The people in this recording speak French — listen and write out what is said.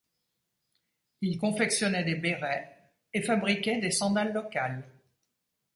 Il confectionnait des bérets et fabriquait des sandales locales.